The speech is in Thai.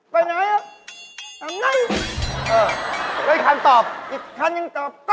ไปไหนแล้ว